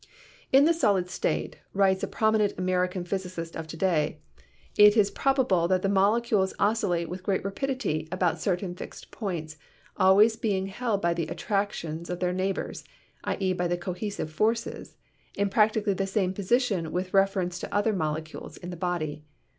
"In the solid state," writes a prominent American phys icist of to day, "it is probable that the molecules oscillate with great rapidity about certain fixed points, always being held by the attractions of their neighbors — i.e., by the cohesive forces — in practically the same position with ref erence to other molecules in the body.